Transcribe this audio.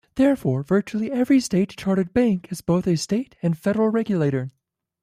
Therefore, virtually every state chartered bank has both a state and federal regulator.